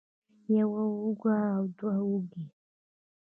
يوه اوږه او دوه اوږې